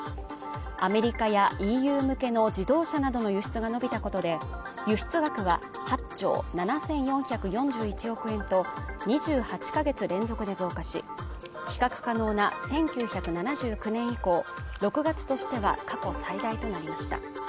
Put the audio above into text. アメリカやＥＵ向けの自動車などの輸出が伸びたことで、輸出額は８兆７４４１億円と、２８か月連続で増加し、比較可能な１９７９年以降、６月としては過去最大となりました。